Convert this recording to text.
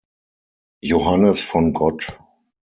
Johannes von Gott.